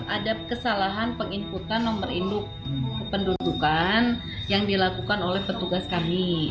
ada kesalahan penginputan nomor induk kependudukan yang dilakukan oleh petugas kami